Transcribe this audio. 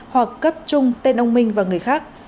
hoặc cấp chung tên ông minh và người khác